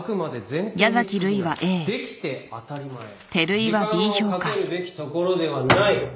できて当たり前時間をかけるべきところではない。